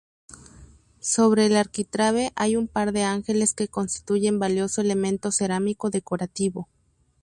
Sobre el arquitrabe hay un par de ángeles que constituyen valioso elemento cerámico decorativo.